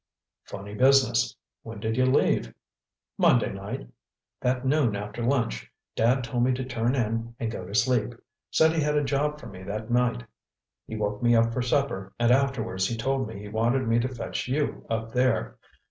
"Funny business. When did you leave?" "Monday night. That noon after lunch, Dad told me to turn in and go to sleep—said he had a job for me that night. He woke me up for supper, and afterwards he told me he wanted me to fetch you up there.